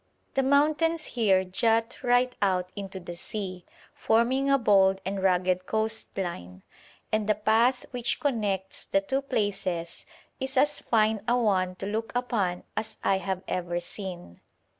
The mountains here jut right out into the sea, forming a bold and rugged coast line, and the path which connects the two places is as fine a one to look upon as I have ever seen.